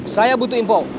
saya bantu bu